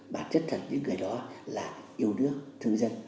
bác chất thật những người đó là yêu đứa thương dân